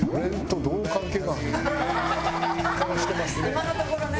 今のところね